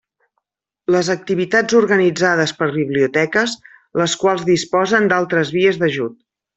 Les activitats organitzades per biblioteques, les quals disposen d'altres vies d'ajut.